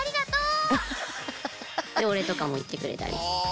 でお礼とかも言ってくれたり。